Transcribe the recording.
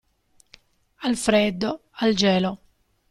Al freddo al gelo.